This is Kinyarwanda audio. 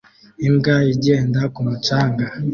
Imbwa igenda ku mucanga